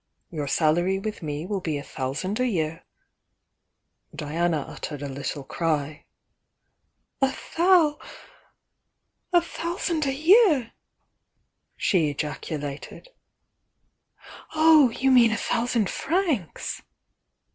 Your salary with me will be a thousand a year " Diana uttered a little cry. "A thou — a thousand a year!" she ejaculated. "Oh, you mean a thousand francs?"